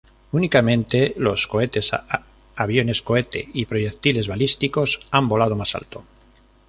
Únicamente los cohetes, aviones cohete y proyectiles balísticos han volado más alto.